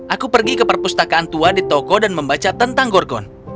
aku pergi ke perpustakaan tua di toko dan membaca tentang gorgon